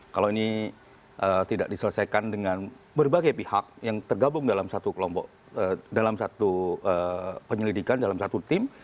kalau ini tidak diselesaikan dengan berbagai pihak yang tergabung dalam satu kelompok dalam satu penyelidikan dalam satu tim